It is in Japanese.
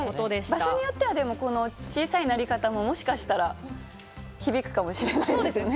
場所によっては小さい鳴り方ももしかしたら響くかもしれないですね。